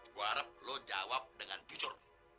gue harap lo jawab dengan jujur